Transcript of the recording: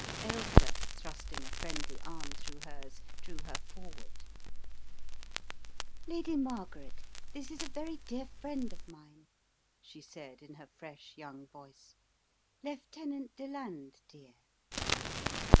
Ailsa, thrusting a friendly arm through hers, drew her forward. "Lady Margaret, this is a very dear friend of Which Introduces a New Friend 7 mine," she said in her fresh young voice, "Lieutenant Deland, dear."